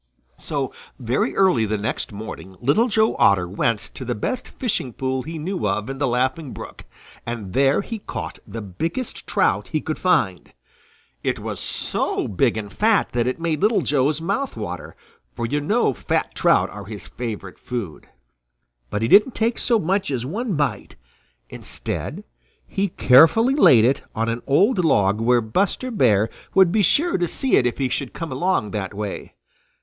So very early the next morning Little Joe Otter went to the best fishing pool he knew of in the Laughing Brook, and there he caught the biggest trout he could find. It was so big and fat that it made Little Joe's mouth water, for you know fat trout are his favorite food. But he didn't take so much as one bite. Instead he carefully laid it on an old log where Buster Bear would be sure to see it if he should come along that way.